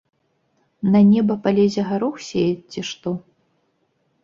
На неба палезе гарох сеяць, ці што?